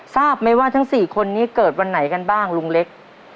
ทราบไหมว่าทั้ง๔คนนี้เกิดวันไหนกันบ้างลุงเล็ก